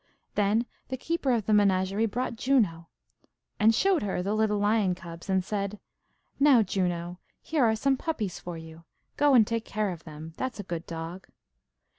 Then the keeper of the menagerie brought Juno, and showed her the little lion cubs, and said: "Now, Juno, here are some puppies for you; go and take care of them, that's a good dog."